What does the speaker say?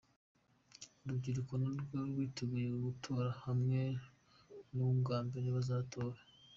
Urubyiruko narwo rwiteguye gutora bamwe ni ubwa mbere bazatora.